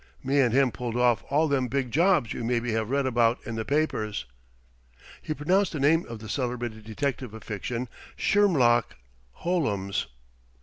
Me and him pulled off all them big jobs you maybe have read about in the papers." He pronounced the name of the celebrated detective of fiction "Shermlock Hol lums."